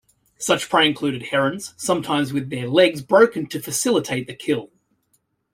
Such prey included herons, sometime with their legs broken to facilitate the kill.